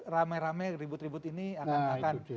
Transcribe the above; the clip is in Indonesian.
rame rame ribut ribut ini akan akan